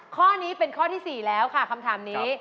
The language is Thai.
ข้อนี้เป็นข้อที่๔แล้วค่ะคำถามนี้